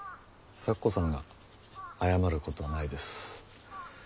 咲子さんが謝ることはないです。